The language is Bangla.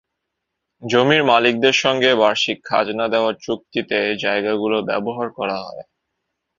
জমির মালিকদের সঙ্গে বার্ষিক খাজনা দেওয়ার চুক্তিতে জায়গাগুলো ব্যবহার করা হয়।